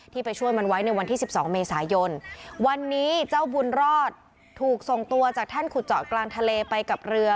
ไปช่วยมันไว้ในวันที่สิบสองเมษายนวันนี้เจ้าบุญรอดถูกส่งตัวจากท่านขุดเจาะกลางทะเลไปกับเรือ